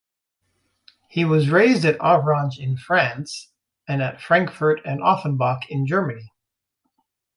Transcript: He was raised at Avranches in France, and at Frankfurt and Offenbach in Germany.